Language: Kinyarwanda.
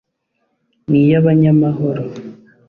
niyo abanyamahoro